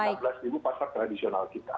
ada di rp enam belas pasar tradisional kita